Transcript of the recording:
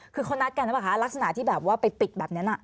คือคนนัดกันแล้วป่ะคะลักษณะที่แบบว่าไปติดแบบนั้น